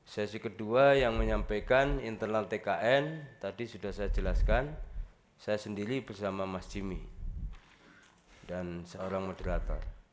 sesi kedua yang menyampaikan internal tkn tadi sudah saya jelaskan saya sendiri bersama mas jimmy dan seorang moderator